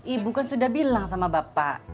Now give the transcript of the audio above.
ibu kan sudah bilang sama bapak